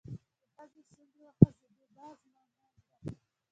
د ښځې شونډې وخوځېدې: باز مامده!